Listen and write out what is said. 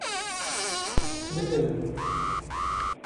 Bide min.